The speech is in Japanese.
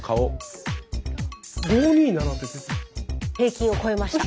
平均を超えました。